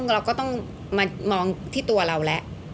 เราก็ต้องมามองที่ตัวเราแล้ว